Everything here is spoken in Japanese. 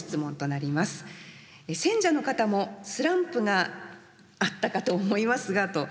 「選者の方もスランプがあったかと思いますが」と。